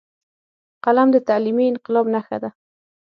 قلم د تعلیمي انقلاب نښه ده